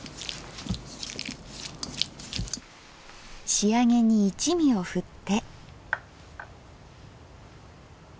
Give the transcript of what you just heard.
仕上げに一味をふって。